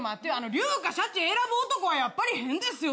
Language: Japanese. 竜かシャチ選ぶ男はやっぱり変ですよ